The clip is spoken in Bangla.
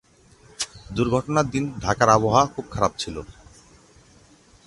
দুর্ঘটনার দিন ঢাকার আবহাওয়া খুব খারাপ ছিল।